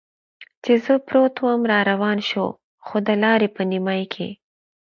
چې زه پروت ووم را روان شو، خو د لارې په نیمایي کې.